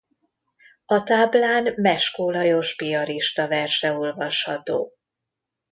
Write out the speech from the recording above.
A táblán Meskó Lajos piarista verse olvasható.